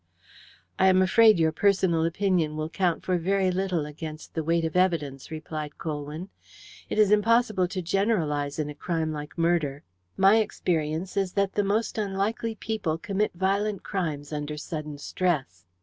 "I am afraid your personal opinion will count for very little against the weight of evidence," replied Colwyn. "It is impossible to generalize in a crime like murder. My experience is that the most unlikely people commit violent crimes under sudden stress.